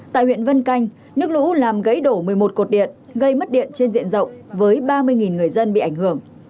tại huyện vân canh nước lũ làm gãy đổ một mươi một cột điện gây mất điện trên diện rộng với ba mươi người dân bị ảnh hưởng